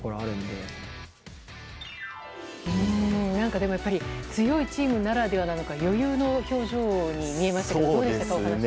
でもやっぱり強いチームならではの余裕の表情に見えましたね。